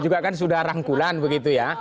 juga kan sudah rangkulan begitu ya